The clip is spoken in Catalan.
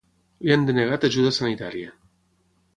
Li han denegat ajuda sanitària.